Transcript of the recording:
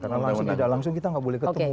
karena langsung tidak langsung kita gak boleh ketemu